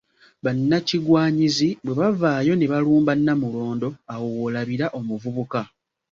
Bannakigwanyizi bwe bavaayo ne balumba Namulondo awo w'olabira omuvubuka.